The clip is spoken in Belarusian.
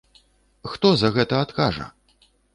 Хто за гэта адкажа?